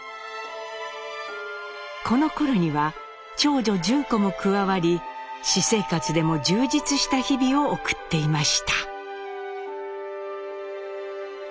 このころには長女・順子も加わり私生活でも充実した日々を送っていました。